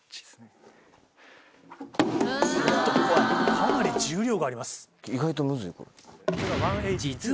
かなり重量があります。